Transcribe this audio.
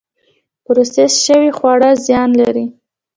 پروسس شوي خواړه زیان لري